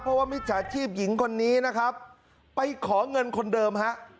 เพราะว่ามิจฉาชีพหญิงคนนี้นะครับไปขอเงินคนเดิมฮะ